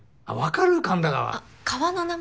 あっ川の名前。